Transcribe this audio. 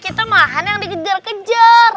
kita mahan yang dikejar kejar